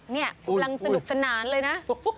นี่กำลังสนุกสนานเลยนะ